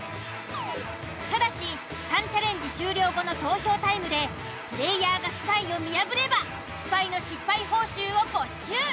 ただし３チャレンジ終了後の投票タイムでプレイヤーがスパイを見破ればスパイの失敗報酬を没収。